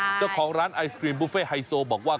เจ้าของร้านไอศครีมบุฟเฟ่ไฮโซบอกว่า